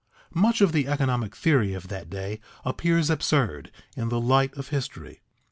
_ Much of the economic theory of that day appears absurd in the light of history.